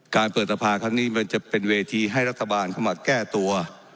เปิดสภาครั้งนี้มันจะเป็นเวทีให้รัฐบาลเข้ามาแก้ตัว